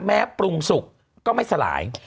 ปรุงสุกก็ไม่สลาย